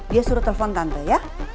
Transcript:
dia suruh telpon tante ya